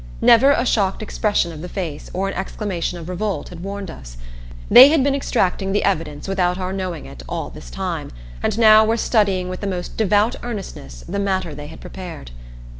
Never a shocked expression of the face or exclamation of revolt had warned us; they had been extracting the evidence without our knowing it all this time, and now were studying with the most devout earnestness the matter they had prepared.